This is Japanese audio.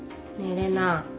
玲奈。